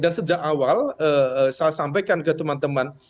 dan sejak awal saya sampaikan ke teman teman